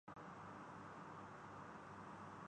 ریاست نے پاکستان کا ساتھ